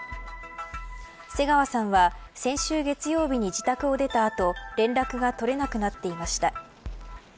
瀬川さんは先週月曜日に自宅を出た後連絡が取れなくなっていました。